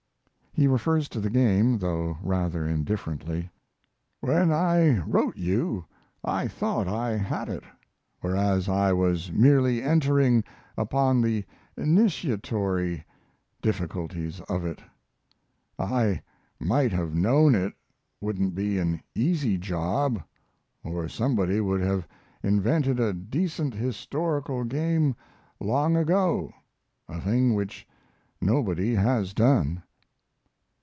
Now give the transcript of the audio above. He refers to the game, though rather indifferently. When I wrote you I thought I had it; whereas I was merely entering upon the initiatory difficulties of it. I might have known it wouldn't be an easy job or somebody would have invented a decent historical game long ago a thing which nobody has done.